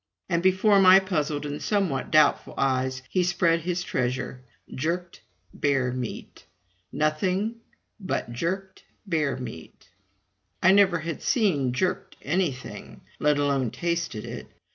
And before my puzzled and somewhat doubtful eyes he spread his treasure jerked bear meat, nothing but jerked bear meat. I never had seen jerked anything, let alone tasted it.